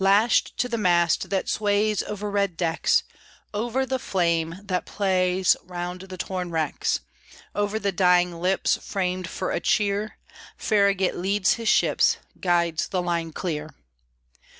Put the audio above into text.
Lashed to the mast that sways Over red decks, Over the flame that plays Round the torn wrecks, Over the dying lips Framed for a cheer, Farragut leads his ships, Guides the line clear.